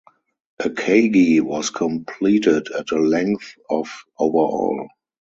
"Akagi" was completed at a length of overall.